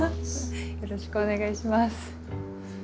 よろしくお願いします。